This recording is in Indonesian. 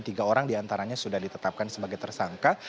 tiga orang diantaranya sudah ditetapkan sebagai tersangka